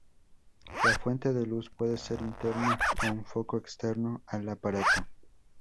La fuente de luz puede ser interna o un foco externo al aparato.